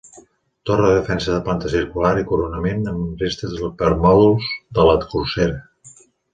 Torre de defensa de planta circular i coronament amb restes dels permòdols de la corsera.